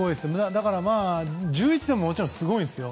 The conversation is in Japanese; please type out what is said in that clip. だから１１でももちろんすごいんですよ。